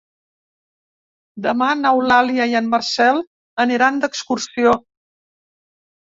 Demà n'Eulàlia i en Marcel aniran d'excursió.